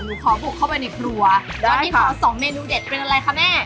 หนูขอบุกเข้าไปในครัววันนี้ขอสองเมนูเด็ดเป็นอะไรคะแม่